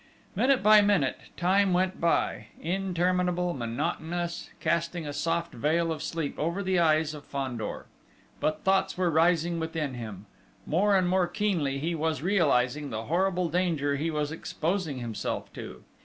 Minute by minute, time went by, interminable, monotonous, casting a soft veil of sleep over the eyes of Fandor. But thoughts were rising within him: more and more keenly he was realising the horrible danger he was exposing himself to.